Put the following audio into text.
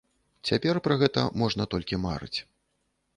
Цяпер пра гэта можна толькі марыць.